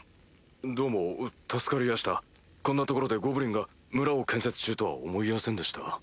どうも助かりやしたこんな所でゴブリンが村を建設中とは思いやせんでした。